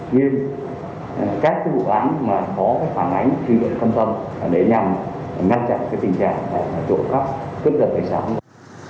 ghiêm các vụ án có phản ánh truy cập thông tin để nhằm ngăn chặn tình trạng trộm cắp cướp đợt hệ xã hội